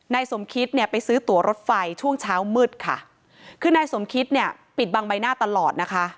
นายสมคิตเนี่ยไปซื้อตัวรถไฟช่วงเช้ามืดค่ะคือนายสมคิตเนี่ยปิดบังใบหน้าตลอดนะคะ